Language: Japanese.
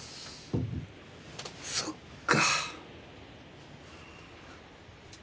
そっか。